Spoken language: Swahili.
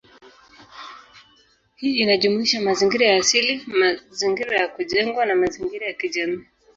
Hii inajumuisha mazingira ya asili, mazingira ya kujengwa, na mazingira ya kijamii.